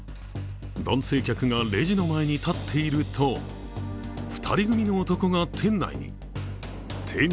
男性客がレジの前に立っていると２人組の男が店内に。